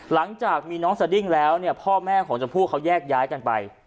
หลังจากมีน้องสดิ้งแล้วเนี่ยพ่อแม่ของชมพู่เขาแยกย้ายกันไป